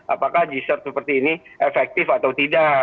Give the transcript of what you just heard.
apakah g sert seperti ini efektif atau tidak